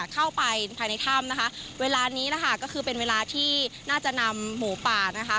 เข้าไปภายในถ้ำนะคะเวลานี้นะคะก็คือเป็นเวลาที่น่าจะนำหมูป่านะคะ